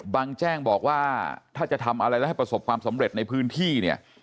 แจ้งบอกว่าถ้าจะทำอะไรแล้วให้ประสบความสำเร็จในพื้นที่เนี่ย